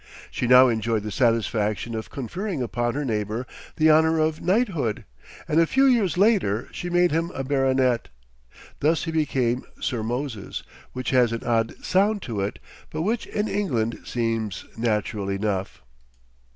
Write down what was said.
She now enjoyed the satisfaction of conferring upon her neighbor the honor of knighthood, and a few years later she made him a baronet. Thus he became Sir Moses, which has an odd sound to us, but which in England seems natural enough.